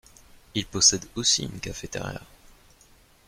Il possède aussi une cafétéria.